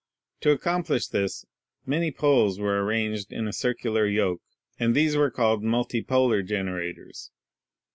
To accomplish this many poles were arranged in a circular yoke, and these were called "multipolar" generators.